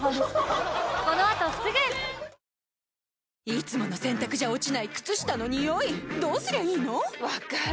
いつもの洗たくじゃ落ちない靴下のニオイどうすりゃいいの⁉分かる。